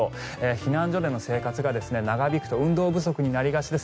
避難所での生活が長引くと運動不足になりがちです。